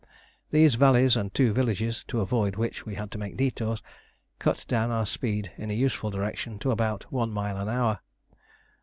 These valleys and two villages, to avoid which we had to make detours, cut down our speed in a useful direction to about one mile an hour.